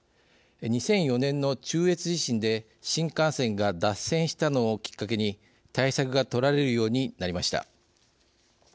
２００４年の中越地震で新幹線が脱線したのをきっかけに対策が取られるようになりました。